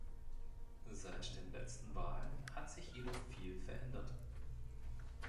Seit den letzten Wahlen hat sich jedoch viel verändert.